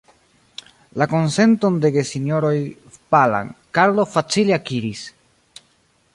La konsenton de gesinjoroj Palam, Karlo facile akiris.